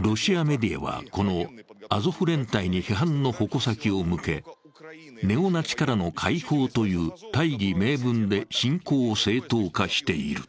ロシアメディアは、このアゾフ連隊に批判の矛先を向けネオナチからの解放という大義名分で侵攻を正当化している。